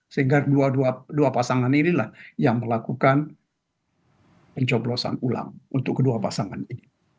sehingga dua pasangan inilah yang melakukan pencoblosan ulang untuk kedua pasangan ini